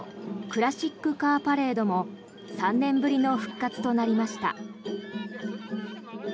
クラシックカーパレードも３年ぶりの復活となりました。